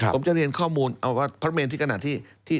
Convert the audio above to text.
ผมจะเรียนข้อมูลพระเมรที่กณะที่